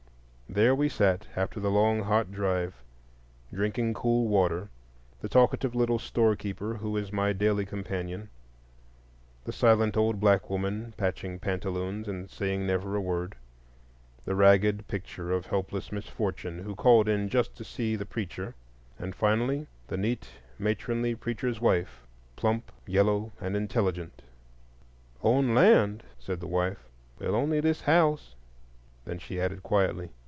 There we sat, after the long hot drive, drinking cool water,—the talkative little storekeeper who is my daily companion; the silent old black woman patching pantaloons and saying never a word; the ragged picture of helpless misfortune who called in just to see the preacher; and finally the neat matronly preacher's wife, plump, yellow, and intelligent. "Own land?" said the wife; "well, only this house." Then she added quietly.